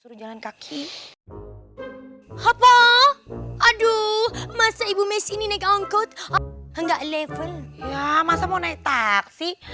turun jalan kaki apa aduh masa ibu mesin ini gaungkut enggak level ya masa mau naik taksi